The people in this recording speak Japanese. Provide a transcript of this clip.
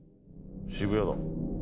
「渋谷だ」